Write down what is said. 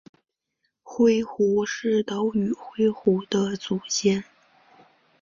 灰狐是岛屿灰狐的祖先。